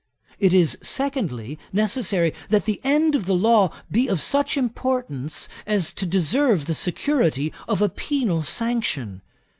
It is, secondly, necessary that the end of the law be of such importance, as to deserve the security of a penal sanction.